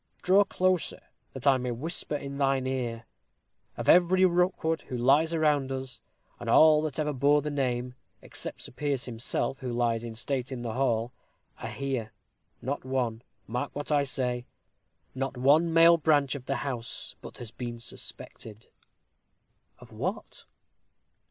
"Draw closer, that I may whisper in thine ear. Of every Rookwood who lies around us and all that ever bore the name, except Sir Piers himself who lies in state at the hall , are here not one mark what I say not one male branch of the house but has been suspected " "Of what?"